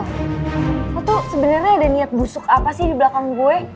aku tuh sebenarnya ada niat busuk apa sih di belakang gue